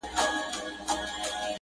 ما له ازله بې خبره کوچي!.